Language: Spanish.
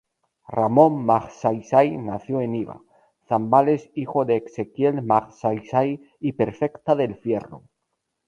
Ramón Magsaysay nació en Iba, Zambales hijo de Exequiel Magsaysay y Perfecta del Fierro.